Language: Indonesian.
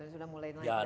sudah mulai naik daun